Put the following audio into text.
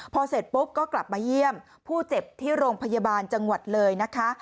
พอเสร็จปุ๊บก็กลับมาเยี่ยมผู้เจ็บที่โรงพยาบาลจังหวัดเลยนะคะ